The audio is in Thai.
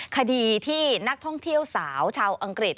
คดีที่นักท่องเที่ยวสาวชาวอังกฤษ